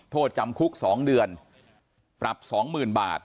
โทษจำคุก๒เดือนปรับ๒๐๐๐บาท